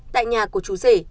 tại nhà của chú rể